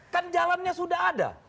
kan jalannya sudah ada